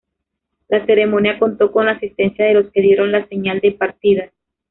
La ceremonia contó con la asistencia de los que dieron la señal de partida.